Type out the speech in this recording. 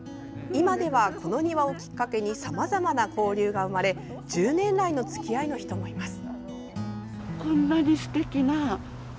今では、この庭をきっかけにさまざまな交流が生まれ１０年来の付き合いの人もいます。